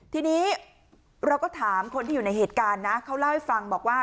ทีนี้เราก็ถามคนที่อยู่ในเหตุการณ์นะเขาเล่าให้ฟังบอกว่า